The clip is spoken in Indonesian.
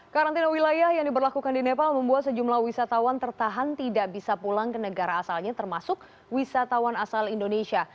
karantina wilayah yang diberlakukan di nepal membuat sejumlah wisatawan tertahan tidak bisa pulang ke negara asalnya termasuk wisatawan asal indonesia